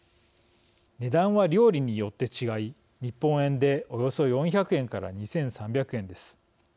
値段は料理によって違い日本円で、およそ４００円から２３００円です。